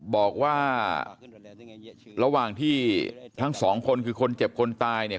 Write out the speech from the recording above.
บอกว่าระหว่างที่ทั้งสองคนคือคนเจ็บคนตายเนี่ย